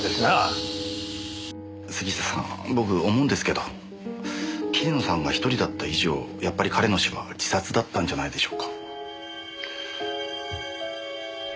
杉下さん僕思うんですけど桐野さんが１人だった以上やっぱり彼の死は自殺だったんじゃないでしょうか。